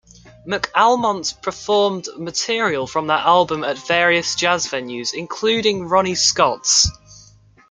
McAlmont performed material from that album at various jazz venues including Ronnie Scott's.